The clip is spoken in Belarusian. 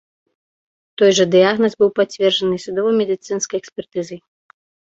Той жа дыягназ быў пацверджаны і судова-медыцынскай экспертызай.